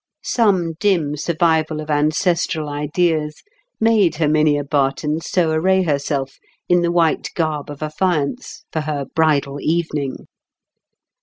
Some dim survival of ancestral ideas made Herminia Barton so array herself in the white garb of affiance for her bridal evening.